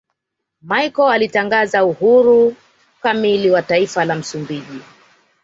Machel alitangaza uhuru kamili wa taifa la Msumbiji